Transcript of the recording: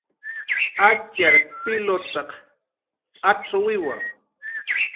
Atxar pilutaq p'acxwiwa